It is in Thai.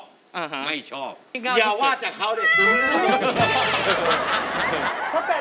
ยามว่าจากเขาได้